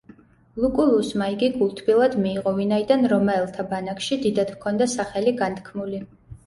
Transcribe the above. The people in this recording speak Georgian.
ლუკულუსმა იგი გულთბილად მიიღო, ვინაიდან რომაელთა ბანაკში დიდად ჰქონდა სახელი განთქმული.